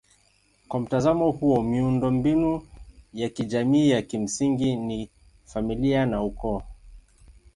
Kwa mtazamo huo miundombinu ya kijamii ya kimsingi ni familia na ukoo.